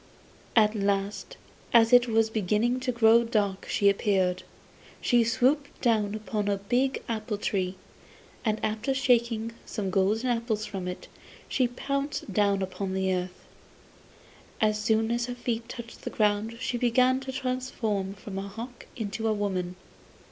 At last as it was beginning to grow dark she appeared. She swooped down upon a big apple tree, and after shaking some golden apples from it, she pounced down upon the earth. As soon as her feet touched the ground she became transformed from a hawk into a woman.